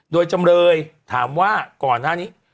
โดยจำเลยถามว่าก่อนหน้านี้